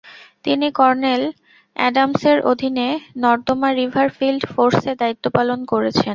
তিনি কর্নেল এডামসের অধীনে নর্মদা রিভার ফিল্ড ফোর্সে দায়িত্বপালন করেছেন।